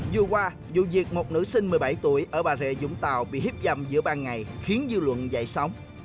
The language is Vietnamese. dù qua dù việc một nữ sinh một mươi bảy tuổi ở bà rệ dũng tàu bị hiếp dầm giữa ban ngày khiến dư luận dậy sóng